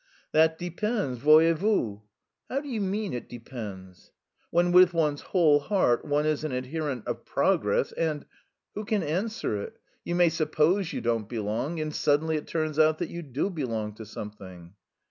"That depends, voyez vous." "How do you mean 'it depends'?" "When with one's whole heart one is an adherent of progress and... who can answer it? You may suppose you don't belong, and suddenly it turns out that you do belong to something."